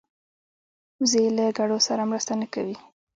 وزې له ګډو سره مرسته نه کوي